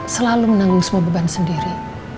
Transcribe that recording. selalu menanggung semua beban sendiri